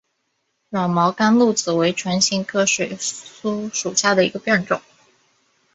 软毛甘露子为唇形科水苏属下的一个变种。